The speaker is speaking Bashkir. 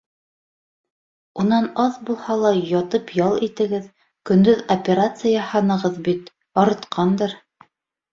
Унан аҙ булһа ла ятып ял итегеҙ - көндөҙ операция яһанығыҙ бит, арытҡандыр...